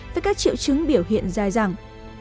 với các triệu chứng biểu hiện dài dẳng